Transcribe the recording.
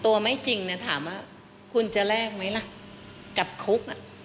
ตัวไม่จริงเนี่ยถามว่าคุณจะแลกไหมล่ะกับคุก